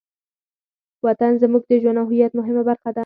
وطن زموږ د ژوند او هویت مهمه برخه ده.